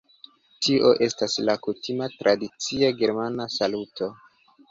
Tio estas la kutima tradicia germana saluto